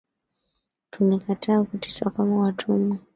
Tumekataa kuteswa kama watumwa